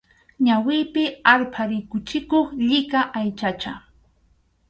Ñawipi arpha rikuchikuq llika aychacha.